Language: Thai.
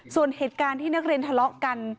ส่วนเหตุการณ์ที่นักเรียนทะเลาะกัน